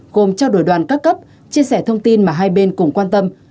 gồm trao đổi đoàn các cấp chia sẻ thông tin mà hai bên cùng quan tâm